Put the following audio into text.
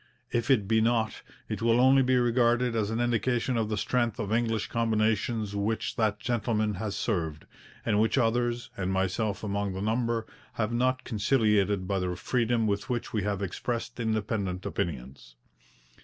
If it be not, it will only be regarded as an indication of the strength of English combinations which that gentleman has served, and which others, and myself among the number, have not conciliated by the freedom with which we have expressed independent opinions.